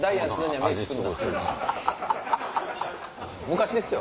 昔ですよ！